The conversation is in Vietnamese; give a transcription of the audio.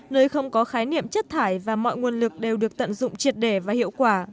nơi không có khái niệm chất thải và mọi nguồn lực đều được tận dụng triệt để và hiệu quả